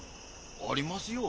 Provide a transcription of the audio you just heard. ありますよ。